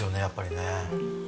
やっぱりね。